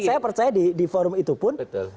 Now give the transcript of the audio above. saya percaya di forum itu pun